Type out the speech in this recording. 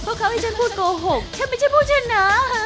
เพราะเขาให้ฉันพูดโกหกฉันไม่ใช่พวกฉันนะ